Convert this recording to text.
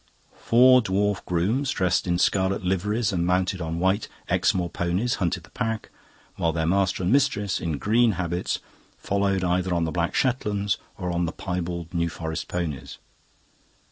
Four dwarf grooms, dressed in scarlet liveries and mounted on white Exmoor ponies, hunted the pack, while their master and mistress, in green habits, followed either on the black Shetlands or on the piebald New Forest ponies.